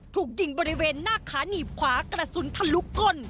ถูกยิงบริเวณหน้าขาหนีบขวากระสุนทะลุก้น